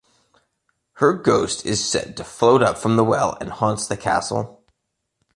Her ghost is said to float up from the well and haunts the castle.